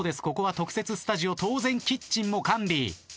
ここは特設スタジオ当然キッチンも完備。